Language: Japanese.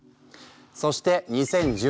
そして２０１０年。